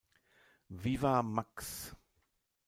Viva Max!